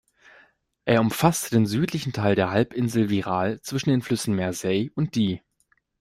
Er umfasste den südlichen Teil der Halbinsel Wirral zwischen den Flüssen Mersey und Dee.